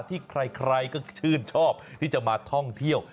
ที่ใครก็ชื่นชอบที่จะมาท่องเที่ยว